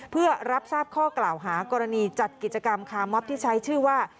เพื่อรับทราบข้อกล่าวหากรณีจัดกิจกรรมคาร์มอบที่ใช้ชื่อว่า